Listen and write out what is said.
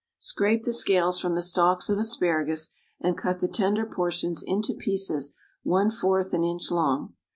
= Scrape the scales from the stalks of asparagus and cut the tender portions into pieces one fourth an inch long.